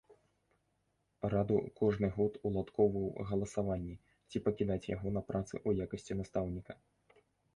Раду кожны год уладкоўваў галасаванні, ці пакідаць яго на працы ў якасці настаўніка.